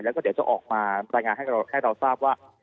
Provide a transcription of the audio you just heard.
แล้วก็เดี๋ยวจะออกมารายงานให้เราทราบว่า